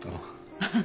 ああ。